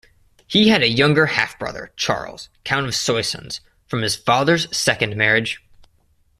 He had a younger half-brother, Charles, Count of Soissons, from his father's second marriage.